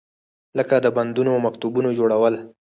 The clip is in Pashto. لکه د بندونو او مکتبونو جوړول.